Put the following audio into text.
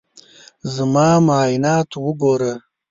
زما معاینات وګوره.